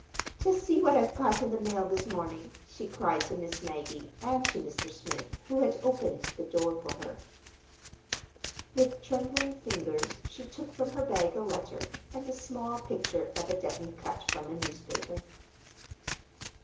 "Just see what I've got in the mail this morning!" she cried to Miss Maggie, and to Mr. Smith, who had opened the door for her. With trembling fingers she took from her bag a letter, and a small picture evidently cut from a newspaper.